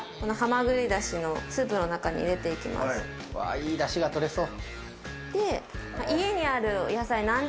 いいダシが取れそう。